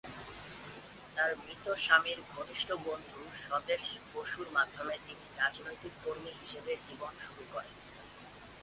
তার মৃত স্বামীর ঘনিষ্ঠ বন্ধু স্বদেশ বসুর মাধ্যমে তিনি রাজনৈতিক কর্মী হিসেবে জীবন শুরু করেন।